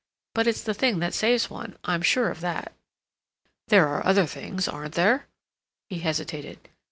But it's the thing that saves one—I'm sure of that." "There are other things, aren't there?" he hesitated.